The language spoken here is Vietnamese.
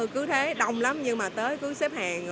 cứ thế đông lắm nhưng mà tới cứ xếp hàng